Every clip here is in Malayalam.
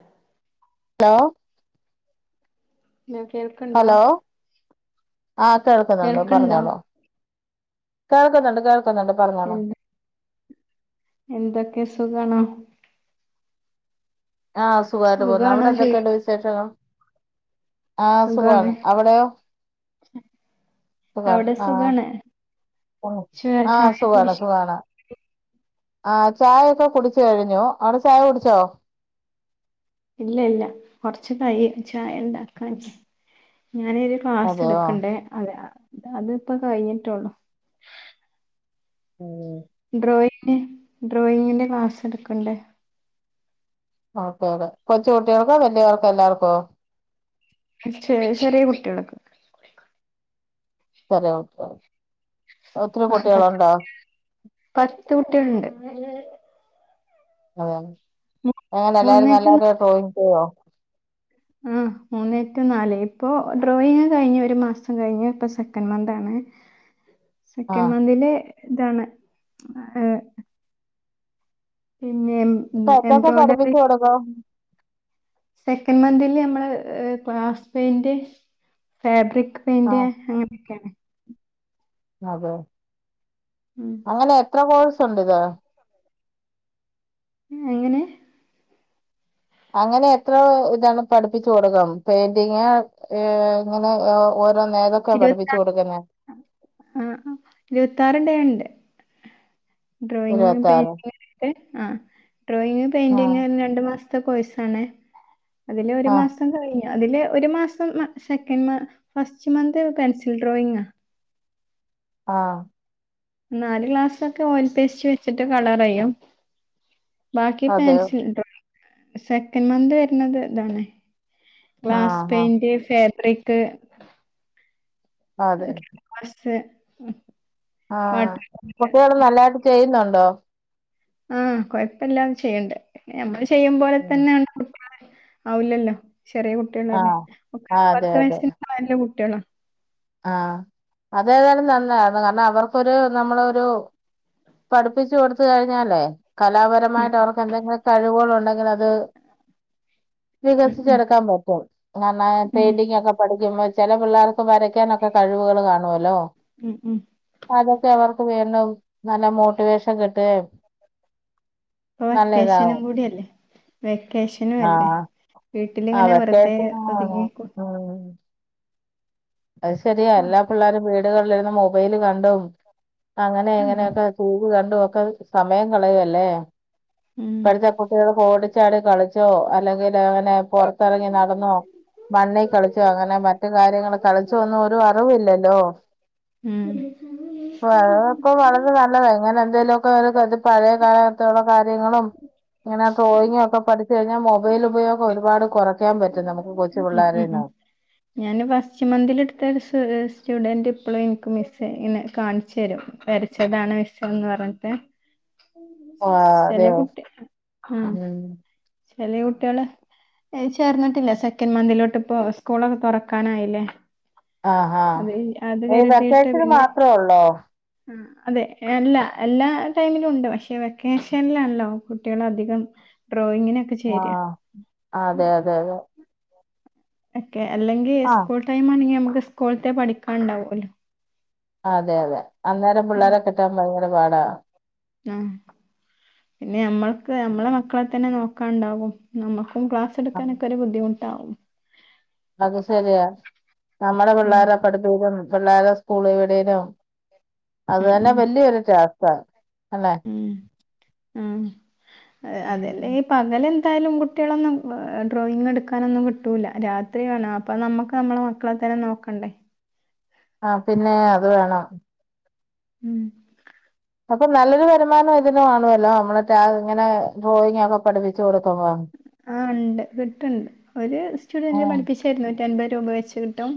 ഉ [inaudible] ഹലോ [unintelligible] കേൾക്കണില്ല ആഹ കേൾക്കുന്നുണ്ട് പറഞ്ഞോളു കേൾക്കുന്നുണ്ട് കേൾക്ക കേക്കുണ്ട് പറഞ്ഞോളൂ എന്ത് എന്തൊക്കെ സുഖണോ ആഹ് സുഖമായിട്ട് പോകുന്നത് അവിടെ സുഖാണോ ചോയി എന്തൊക്കെയുണ്ട് വിശേഷങ്ങൾ ആഹ് സുഖാണ് സുഖമാണ് അവിടെയോ സുഖ അവിടെ ആഹ സുഖാണ് ആഹ ച ആ ചായ സുഖാണ് കുടിച് സുഖണ ആ ചായ ഒക്കെ കുടിച്ചു കഴിഞ്ഞു അവിടെ ചായ കുടിച്ചോ ഇല്ല ഇല്ല കൊറച്ച് കഴിയും ചായഉണ്ടാക്കാ ഞാനൊരു ക്ലാസ് അതെയോ എടുക്കണ്ടേ അതാ അത് ഇപ്പോ കഴിഞ്ഞിട്ടേ ഉള്ളൂ ഉം. ഡ്രോയിങ് ങേ ഡ്രോയിങ്ങിന്റെ ക്ലാസ് എടുക്കണ്ടേ ഓക്കെ ഒക്കെ കൊച്ചു കുട്ടികൾക്കോ വലിയാവർക്കു എല്ലാർക്കോ ചെ ചെറിയ കുട്ടികൾക്ക് ചെറിയ കുട്ടികൾക്ക് ഒത്തിരി ആ കുട്ടികളൊണ്ടോ ണ്ട് [unintelligible] അതെയതെ [unintelligible] അങ്ങനെ മൂന്നേ എല്ലാരും ടു നാ നല്ലപോലെ ഡോയിങ്ങ് ചെയ്യോ ആ മൂന്ന് ടു നാല് ഇപ്പൊ ഡ്രോയിങ് കഴിഞ്ഞു ഒരു മാസം കഴിഞ്ഞു ഇപ്പൊ സെക്കൻഡ് മന്ത് ആണ് ആ സെക്കൻ മന്തിലെ ഇതാണ് ഏ എംബ്രോയ്ഡറി [unintelligible] സെക്കൻഡ് മന്ദിൽ നമ്മള് ക്ലാസ്സ് പെയിന്റെ ഫാബ്രിക് ആ എന്റെ അങ്ങനെയൊക്കെയാണ് അതെ ഉം അങ്ങനേ എത്ര കോഴ്സ് ഒണ്ട് ഇത് ങ് എങ്ങനെ അങ്ങനെ എത്ര ഇതണ് പഠിപ്പിച്ചു കൊടുക്കും പെയിന്റിങ് ഏ ഇങ്ങനെ ഓ ഒ ഇരുപത്താ ആ ഇരുപത്താറ് ഡേ ഇണ്ട് ഡ്രോയിങ്ങിന് [unintelligible] ഇരുപത്താറ് വരട്ടെ ആ ഡ്രോയിങും ആഹ് പെയിന്റിങ്ങേന്നു രണ്ട് മാസം ത്തെ കോഴ്സ് ആണ് അതിലെഒരു ആഹ് മാസം കഴിഞ്ഞ് അതിലെ ഒരു മാസം മ സെക്കൻഡ് മാ മാസ് ച് മന്ത് പെൻസിൽ ഡ്രോയിങ്ങാ ആ നാല് ഗ്ലാസ് ഒക്കെ ഓയിൽ പേസ്റ്റ് വെച്ചിട്ട് കളറെയ്യും ബാക്കി അതെയോ പെൻസിൽ ഡ്രോയിങ് സെക്കൻ് മന്ത് വര്ണത് ഇതാണ് ഗ്ലാസ് ആഹ് ആഹ് പെയിൻറ് ഫാബ്രിക് കേ [unintelligible] മ് ഹ് ആ കുട്ടിയേള് നല്ലായിട്ട് ചെയ്യുന്നൊൺ ടോ ആ കൊഴപ്പല്ലാതെ ചെയ്യ്ണ്ട് പിന്നെ ഞമ്മളെഷ്ടം ചെയ്യും പോലെ ഉം. തന്നെ [unintelligible] ആവുല്ലല്ലോ ചെറിയ കുട്ടികളല്ലേ ആഹ് ഒക്കെ ആഹ് പത്ത് വയസ്സിൻ താഴെയുള്ള കു കുട്ട്യോളോ- ആ അതേതായാലും നന്നായ് കാരണം അവർക്കൊരു നമ്മളൊരു പഠ്പ്പിച്ചു കൊടുത്ത് കഴിഞ്ഞാലേ ഉം കലാപരമായിട്ട് അവർക്ക് എന്തെങ്കിലും കഴിവുകളുണ്ടെ [unintelligible] ലത് ഉം ഉം വികസിച്ചെടുക്കാൻ നോക്കും [unintelligible] ഉം പെയിന്റിങ് ഒക്കെ പഠിക്കുമ്പം ചില പിള്ളാർക്ക് വരയ്ക്കാനൊക്കെ കഴിവുകൾ കാണുവ ഹലോ ഉം ഉം അതൊക്കെ അവർക്ക് വേ നൗ നല്ല മോട്ടിവേഷൻ കിട്ടുക്കേം ഇപ്പൊ വെക്കേഷനു ങ്കൂടിയല്ലേ വേ വെക്കേഷനും അല്ലേ ആഹ് ആ വീട്ടിലിങ്ങനെ വെറുതെ വെക്കേഷൻ ഒതുങ്ങി ഉം അത് ശരിയാ എല്ലാ പിള്ളാരും വീ വീടുകളിലിരുന്ന് മൊബൈല് കണ്ടും അങ്ങനെ ഉം എങ്ങനെയൊക്കെ ഒക്കെ സമയം കളയല്ലേ... ഉം ഇപ്പഴത്തെ കുട്ടികൾ ചാടി കളിച്ചോ അല്ലെങ്കി ലങ്ങനെ പുറത്തിറങ്ങി നടന്നോ മണ്ണിൽ കളിച്ചോ അങ്ങനെ മറ്റ് കാര്യങ്ങളൊ ച് ഒന്നും ഒരു അറിവും ഇല്ലെല്ലോ ഉം [inaudible] എന്തേലുമൊക്കെ പഴയ കാലത്തൊള്ള കങ്ങളും ഇങ്ങനെ ഡ്രോയിങ് ഒക്കെ പഠിച്ച് കഴിഞ്ഞാൽ മൊബൈൽ ഉപയോഗം ഒരുപാട് കുറയ് [inaudible] നമുക്ക് കൊച്ചു ഉം പിള്ളോരാ ഉം ഉം എല്ലാം ഞാന് ഫസ്റ്റ് മന്തിൽ എടുത്ത ഒരു സ്റ്റു ഏഹ് സ്റ്റുഡന്റ് ഇപ്പളും ഇനിക്ക് മിസ്സേ എന്നെ കാണിച്ചു തരും വരച്ചതാണ് മിസേന്ന് പറഞ്ഞിട്ട് ആഹ് ചെല അതെയോ ഉം ചെലെ കുട്ടിയാൾ ചേർന്നിട്ടില്ല സെക്കൻഡ് മന്തിലോട്ട് ഇപ്പോ സ്കൂളൊക്കെ തുറക്കാനായില്ലേ ആഹ് ആഹ് അത് അത് ഈ വെക്കേഷന് മാത്രേയുള്ളോ ആ അതെ എല്ലാ എല്ലാ ടൈമിലും ഉണ്ട് പക്ഷെ വെക്കേഷനിലാണ്ല്ലോ കുട്ടികൾ അധികം ഡ്രോയിങ്ങിനൊക്കെ ചേരാ ആഹ് അതെ അതെ അതെ യെ അല്ലെങ്കി ആ സ്കൂൾ ടൈം ആണെങ്കി മെക്ക് സ്കൂളത്തെ പഠിക്കാണ്ടാവുല്ലോ അതെ അതെ അന്നേരം പിള്ളേരൊറ്റകാണ്ടാവ തേങ്ങുവേണ്ട ആഹ് പിന്നെ നമ്മൾക്ക് നമ്മളെ മക്കളെ തന്നെ നോക്കാണ്ടാവും നമ്മ മ് ആ, ക്‌ളാസെടുക്കാനോക്കെ ഒരു ബുദ്ധിമു [inaudible] അത് ശരിയാ നമ്മടെ ഉം പിള്ളാരെ [unintelligible] പിള്ളേരെ സ്കൂളേ വിടേലും അത് ഉം തന്നെ ഉം വല്യൊരു ടാ [unintelligible] ഉം ആഹ് ഉം. അതല്ലേ ഈ പകലെ എന്തായാലും കുട്ടികളൊന്നും ഡ്രോയിങ് എടുക്കാനൊന്നും കിട്ടൂല രാത്രി വേണം അപ്പൊ നമ്മക്ക് നമ്മളെ മക്കളെ തന്നെ നോക്കണ്ടേ ആ പിന്നെ അത് വേണം ഉം അപ്പൊ നല്ലൊരു വരുമാനം ഇതിന് കാണുവല്ലോ നമ്മള ഇങ്ങനെ ഡ്രോയിങ് ഒക്കെ പഠിപ്പിച്ചു കൊടുക്കും ആഹ് ഉണ്ട് കിട്ടണ്ട് ഒരു സ്റ്റുഡന്റ് ആഹ് പഠിപ്പിച്ചായിരുന്നു എൺപത് രൂപ വെച്ച് കിട്ടും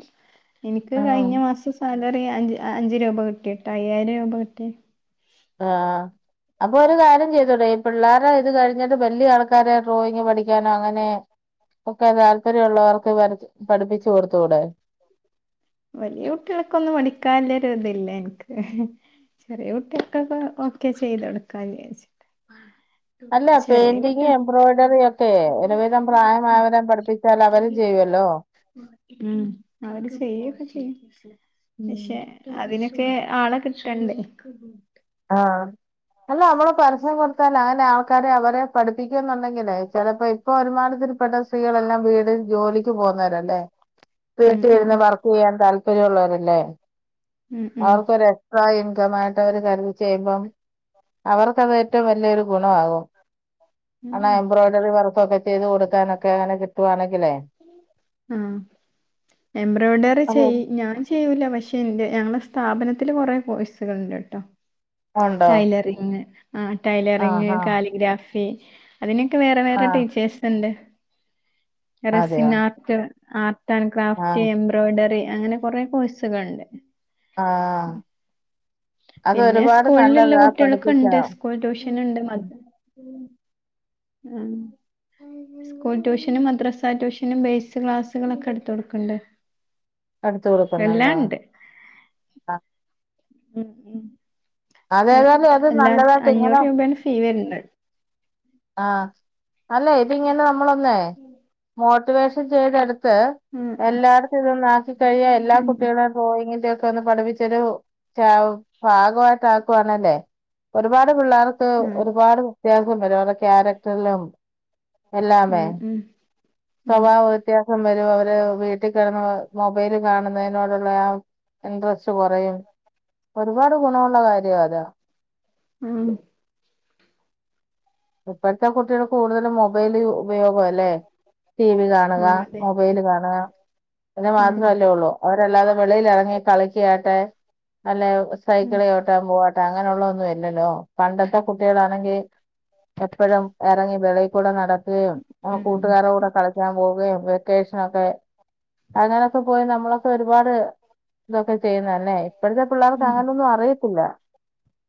എനിക്ക് ഉം കഴിഞ്ഞ മാസം സാലറി അഞ്ച് അഞ്ച് രൂപ കിട്ടി കേട്ടോ അയ്യായിരം രൂപ കിട്ടി ആഹ് അപ്പൊ ഒരു കാര്യം ചെയ്തൂടെ ഈ പിള്ളേരെ ഇത് കഴിഞ്ഞിട്ട് വലിയ ആൾക്കാരെ ഡ്രോയിങ് പഠിക്കാനോ അങ്ങനെ ഒക്കെ താല്പര്യം ഉള്ളവർക്ക് പഠ പഠിപ്പിച്ചു കൊടുത്തൂടെ വലിയ കുട്ടികളൊക്കെ ഒന്നും പഠിപ്പിക്കാൻ ഒരു ഇതില്ല എനിക്ക് ചെറിയ കുട്ടികൾക്കൊക്കെ ഓക്കെ ചെയ്തു കൊടുക്കാ വിചാരിച് അല്ല പെയിന്റിങ് എംബ്രോടറി ഒക്കെ ഒരു വിധം പ്രായമായവരെ ഒക്കെ പഠിപ്പിച്ചാൽ അവരും ചെയ്യുമല്ലോ ഉം അവര് [unintelligible] പക്ഷെ അതിനെ ഓക്കെ ആളെ കിട്ടണ്ടേ ആഹ് അല്ല നമ്മള് പരസ്യം കൊടുത്താൽ അങ്ങനെ ആൾക്കാരെ അവരെ പഠിപ്പിക്കും എന്നുണ്ടെങ്കിലേ ചിലപ്പോൾ ഇപ്പൊ ഒരുമാതിരി പെട്ട സ്ത്രീകൾ തന്നെ വീട് ജോലിക്ക് പോകുന്നവരല്ലേ ഉം ഉം വീട്ടിലിരുന്നു വർക്ക് ചെയ്യാൻ താല്പ താല്പര്യയുള്ളവരല്ലേ ഉം ഉം അവർക്ക് ഒരു എക്സ്ട്രാ ഇൻകം സുഖമായിട്ട് ഒരു ചെയ്യുമ്പം അവർക്കത് ഏറ്റവും വലിയൊരു ഗുണ ആകോ ഉം അന്നാ എംബ്രോയിഡറി വർക്ക് [unintelligible] ഉം എംബ്രോയ്ഡറി അതെ ചെയ് ഞാൻ ചെയ്യൂല പക്ഷെ എന്റെ ഞങ്ങള സ്ഥാപനത്തില് കൊറെ കോഴ്സുകളുണ്ട് കേട്ടോ ഉണ്ടോ ടൈലറിങ് ആ ടൈലറിങ്, ആഹ് ആഹ് കാലിഗ്രാഫി അതിനൊക്കെ വേറെ വേറെ ആഹ് ടീച്ചേഴ്സ് ഉണ്ട് അതെയോ റസിന് ആർട് [inaudible] ആർട്ട് ക്രാഫ്റ്റ് ആഹ് എംബ്രോഡറി അങ്ങനെ കൊറെ കോഴ്സുകളുണ്ട് ആ പിന്നെ സ്കൂളിലുള്ള പഠിപ്പിച്ചാ കുട്ടികൾക്കുണ്ട് സ്കൂൾ ട്യൂഷൻ ഉണ്ട് മ ആ സ്കൂൾ ട്യൂഷനും മദ്രാസ ട്യൂഷനും ബേസ് ക്ലാസ്സുകളൊക്കെ എടുത്ത് കൊടുക്കണ്ട് എടുത്ത് എല്ലാം കൊടുക്കണുണ്ടോ ഉണ്ട് ആ ഉം ഉം അതേതായാലും അത് അല്ലാ നല്ലതായിട്ട് അഞ്ഞൂറ് രൂപയാണ് ഫീ വരണത് ആ അല്ല ഇത് ഇങ്ങനെ നമ്മളൊന്നേ [unintelligible] ചെയ്തെടുത്ത് [unintelligible] ഉം എല്ലായിടത്തും ഇതൊന്ന് ആക്കി കഴിയാ എല്ലാ ഉം കുട്ടികളും ഡ്രോയിങ്ങിന്റെ ഒ പഠിപ്പിച്ചൊരു ഭാ ഭാഗമായിട്ട് ആക്കുവാണേലെ ഒരുപാട് പിള്ളേർക്ക് ഉം ഒരുപാട് [unintelligible] ക്യാരക്ടറിലും എല്ലാമേ ഉം ഉം സ്വഭാവമൊക്കെ [unintelligible] വരും അവര് വീട്ടിൽ കിടന്ന് മൊബൈൽ കാണുന്നതിനോടുള്ള ആ ഇൻട്രസ്റ്റ് കുറയും ഒരുപാട് ഗുണമുള്ള കാര്യമാ അത് ആ ഇപ്പഴത്തെ കുട്ടികള് കൂടുതൽ മൊബൈല് ഉപയോഗം അല്ലേ ടി വി ആ കാണുക അതെ മൊബൈല് കാണുക അതിനു ഉം ഉം മാത്രമല്ലേ ഉള്ളൂ അല്ലാതെ വെളിയിലിറങ്ങി കളിയ്ക്കുവാട്ടെ അല്ലെ ഉം സൈക്കള് ചവിട്ടാൻ പോവാ അങ്ങനെയുള്ള ഒന്നും ഇല്ലല്ലോ പണ്ടത്തെ കുട്ടികളാണെങ്കി എപ്പഴും ഇറങ്ങി വെളിയിൽ കൂടി നട ഉം കൂട്ടുകാരുടെ കൂടെ കളിക്കാൻ പോവുകയും വെക്കേഷനൊക്കെ അങ്ങനൊക്കെ പോയി നമ്മളൊക്കെ ഒരുപാട് ഇതൊക്കെ ചെയ്യുന്നെ അല്ലേ ഇപ്പോഴത്തെ പിള്ളേർക്ക് ഉം അങ്ങനെയൊന്നും അറിയത്തില്ല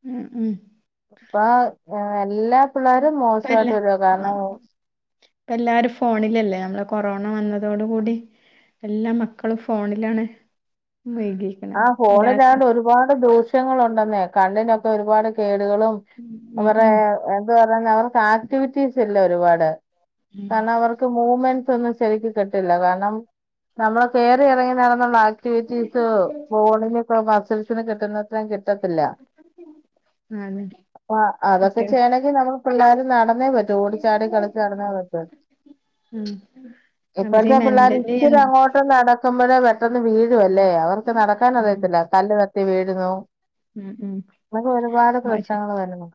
ഉം ഉം ആ എല്ലാ പിള്ളേരും ഇപ്പ മോശമായിട്ട് എല്ലാ വരുവാ ആ കാരണം ഇപ്പ എല്ലാരും ഫോണിലല്ലേ നമ്മള് കൊറോണ വന്നത് അതോടുകൂടി എല്ലാ മക്കളും ഫോണിലാണ് ആ വൈകിക്കണത് എല്ലാർക്കും ഫോണിലാണ്ട് ഒരുപാട് ദോഷ ങ്ങളുണ്ടെന്നേ കണ്ണിനൊക്കെ ഒരുപാട് കേ ഉം ഉം [unintelligible] തന്നെ അവർക്ക് ആക്ടിവിറ്റീസ് ഇല്ലേ ഒരുപാട് ഉം. കാരണം അവർക്ക് മൂവ്മെന്റ് തൊന്നും ശരിക്ക് കിട്ടില്ല കാരണം നമ്മൾ കേറി ഇറങ്ങി നടന്നൊള്ള ആ അക്റ്റിവിറ്റീസ് ബോളിലെ പ്രവാസ് റിസൾട്ടിന് കിട്ടുന്നത്രം കിട്ട കിട്ടത്തില്ല ആണ് അപ്പൊ അതൊക്കെ കുട്ടികൾ ചെയണെങ്കിൽ നമ്മ പിള്ളരു നടന്ന് ന്നേപറ്റൂ ഓടിച്ചാടി കളിച്ചു നടന്നെ പറ്റു ഉം അവര് ഇപ്പഴത്തെ പിള്ളേർ മെന്റലി ഉം ഇച്ചിരി അങ്ങോട്ട് നടക്കുമ്പോഴേ പെട്ടെന്ന് വീഴുവല്ലേ അവർ നടക്കാതറിയത്തില്ല കല്ല് തട്ടി വീഴുന്നു ഉം ഉം അങ്ങനെ ഒരുപാട് പ്രശ്നങ്ങൾ വരുന്നു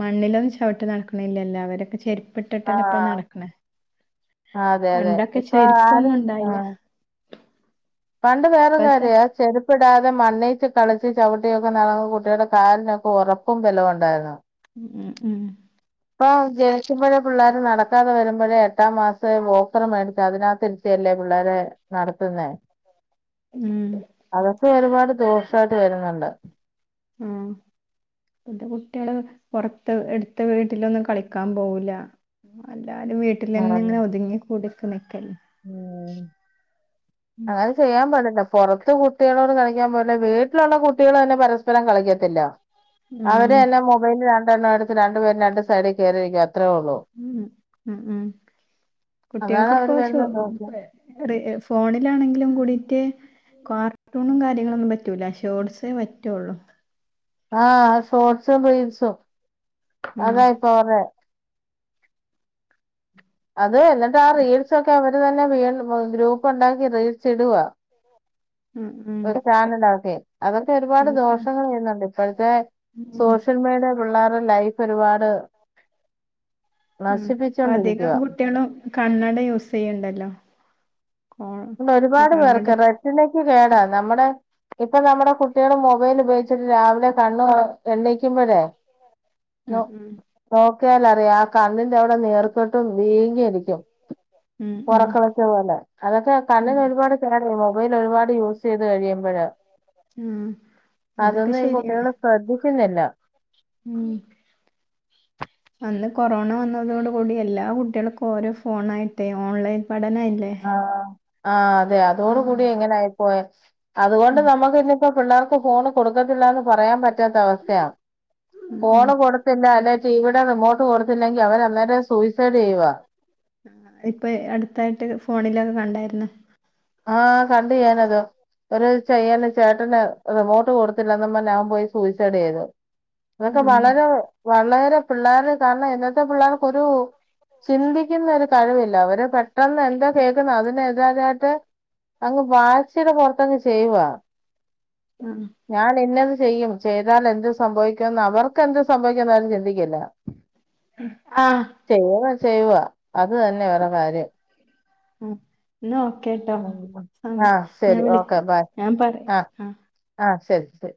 മണ്ണിലൊന്നും ചവിട്ട് നടക്കണിലല്ല അവരൊക്കെ ചെരുപ്പ് ളട്ടിട്ടല്ലെ ഇപ്പ ആഹ് നടക്കണെ അതെ അതെ ഇപ്പൊ ആരു ചെരുപ്പൊന്നും ഉണ്ടായില്ല പണ്ട് വേറൊരു ഇപ്പത്തെ കാര്യ ചെരുപ്പ് ഇടാതെ മണ്ണിച്ച് കളിച്ച് ചവിട്ടിയൊക്കെ നടന്ന കുട്ടിയുടെ കാലിനൊക്കെ ഉറപ്പും ബലവും ഉണ്ടായിരുന്നു ഉം ഉം ഇപ്പൊ ജനിക്കുമ്പോഴെ പിള്ളേർ നടക്കാതെ വരുമ്പോഴെ എട്ടാം മാസം വാക്കർ മേടിച്ച് അതിനകത്തിരിത്തിയല്ലേ പിള്ളേരെ നടത്തുന്നെ ഉം അതൊക്കെ ഒരുപാട് ദോഷായിട്ട് വരുന്നുണ്ട് ആഹ് ഇപ്പത്തെ കുട്ടികള് പുറത്ത് എടുത്ത വീട്ടിലൊന്നും കളിക്കാൻ പോവൂല എല്ലാവരും ആഹ് വീട്ടിലന്നെ ഇങ്ങനെ ഒതുങ്ങി കൂടി കളിക്കൽ ഉം അങ്ങനെ ചെയ്യാൻ പാടില്ല പൊറത്ത് കുട്ടികളോട് കളിക്കാൻ പോയില്ലെ വീട്ടിലുള്ള കുട്ടികൾ തന്നെ പരസ്പരം കളിക്കത്തില്ല ഉം അവരെ എല്ലാം മൊബൈല കണ്ണടച്ച് രണ്ടു പേരും രണ്ട് സൈഡിൽ കയറിരിക്ക ഉം ഉം ഉം അതാണ് കുട്ടികൾക്ക് ഇപ്പോ അവര് ശോ വരുന്ന ദോഷം ഫോണിലാണെങ്കിലും കൂടീട്ട് കാർട്ടൂണും കാര്യങ്ങളൊന്നും പറ്റൂല ഷോർട്സെ പറ്റുള്ളു ആഹ് ഷോർട്ട്സോ രിൽസോ ഉം അതാ ഇപ്പൊ അവർടെ എന്നിട്ട് ആ റീൽസ് ഒക്കെ അവ ഇത് തന്നെ വീ ഗ്രൂപ്പ് ഉണ്ടാക്കി റീൽസ് ഇടുവാ ഉം ഉം ഒരു ചാനലാകെ അതൊക്കെ ഒരുപാട് ഉം ഉം ദോഷങ്ങൾ ചെയ്യുന്നുണ്ട് ഇപ്പോഴത്തെ ഉം സോഷ്യൽ മീഡിയ പിള്ളേരെ ലൈഫ് ഒരുപാട് ഉം അധികം നശിപ്പിച്ചോണ്ടിരിക്കുവാ. കുട്ടികളും കണ്ണട യൂസ് ചെയ്യണ്ടല്ലോ കോ ണ്ട് ഈ ഒരുപാട് കണ്ണട പേർക്ക് [unintelligible] കേടാ നമ്മടെ ഇപ്പ നമ്മടെ കുട്ടികള് മൊബൈൽ ഉപയോഗിച്ചിട്ട് രാവിലെ കണ്ണ് കണ് എണീക്കുമ്പഴേ ഉം ഉം ക്കാലറിയ ആ കണ്ണിന്റെ അവിടെ നീർ ക്കെട്ടും വീങ്ങിയിരിക്കും ഉം ഉം ഉറക്കളച്ച പോലാ അതൊക്കെ അങ്ങനെ ഉം ഒരുപാട് കേട് മൊബൈൽ ഒരുപാട് യൂസ് ചെയ്യ് ത് കഴിയുമ്പഴ ഉം ആഹ് അതൊക്കെ അതൊന്നും ഈ ശരിയാണ് കുട്ടികള് ശ്രദ്ധിക്കുന്നില്ല ഉം അന്ന് കൊറോണ വന്നതോട് കൂടി എല്ലാ കുട്ടികൾക്കും ഓരോ ഫോണായിട്ടേ ഓൺലൈൻ പഠനായില്ലേ ആഹ് ആഹ് ആഹ് അതെ ഉം അതോടുകൂടി ഇങ്ങനായിപ്പോയ അതുകൊണ്ട് ഉം നമ്മക്ക് ഇനിപ്പോ പിള്ളേർ ക്ക് ഫോണ് കൊടുക്കത്തില്ലന്ന് പറയാൻ പറ്റ റ്റാത്ത അവസ്ഥയാണ് ഉം ഉം ഫോണ് കൊടുത്തില്ലല്ലേ ടീവിടെ റിമോട്ട് കൊടുത്തില്ലെങ്കി അവര് അന്നേരെ സൂയ് ഇപ്പൊ അടുത്തായിട്ട് ഫോണിലൊക്ക കണ്ടായിരുന്നു ആഹ് കണ്ട് ഞാനത് ഒരു ചെയ്യന് ചേട്ടന് റിമോട്ട് കൊടുത്തില്ലന്നും പറഞ്ഞ് അവൻ പോയി സൂയിസൈഡ് ചെയ്ത് അതൊക്കെ ഉം വളരെ വളരെ പിള്ളേര് കാരണം ഇന്നത്തെ പിള്ളേർക്കൊരു ചിന്തിക്കുന്ന ഒരു കഴിവില്ല അവര് പെ പെട്ടെന്ന് എന്താ കേൾക്കുന്ന് അതിന് എതിരാരായിട്ട് അങ്ങ് വാശിടെ പൊറത്തങ്ങ് ചെയ്യുവാ ഉം ഞാൻ എന്നത് ചെയ്യും ചെയ്താൽ എന്ത് സംഭവിക്കും എന്ന് അവർക്ക് എന്തു സംഭവിക്കും എന്ന് അവര് ചിന്തിക്കില്ല ആഹ് ചെയ്യുവാ അത് തന്നെ വേറെ കാര്യം മ്മ് എന്ന ഓക്കെട്ടോ ഉം. ആ സംസ് ഞാൻ ശരി വിളി ഓക്കെ ബൈ ഞാൻ പറയാ ആ ആഹ് ആ ശരി ശരി